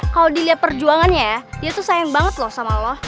kalau dilihat perjuangannya ya dia tuh sayang banget loh sama allah